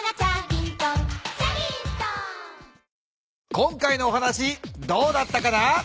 今回のお話どうだったかな？